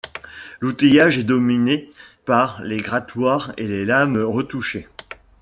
L’outillage est dominé par les grattoirs et les lames retouchées.